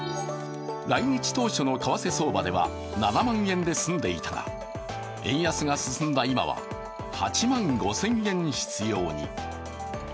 来日当初の為替相場では７万円で済んでいたが円安が進んだ今は、８万５０００円必要に。